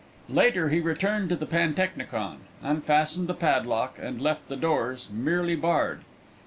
Later he returned to the pantechnicon, unfastened the padlock, and left the doors merely barred.